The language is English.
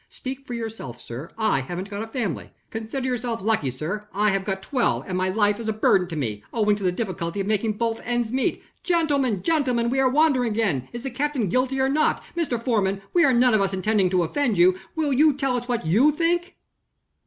"Speak for yourself, sir, I haven't got a family." "Consider yourself lucky, sir; I have got twelve, and my life is a burden to me, owing to the difficulty of making both ends meet." "Gentlemen! gentlemen! we are wandering again. Is the captain guilty or not? Mr. Foreman, we none of us intended to offend you. Will you tell us what you think?"